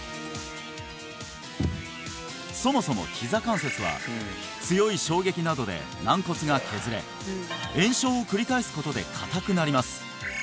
そもそもひざ関節は強い衝撃などで軟骨が削れ炎症を繰り返すことで硬くなります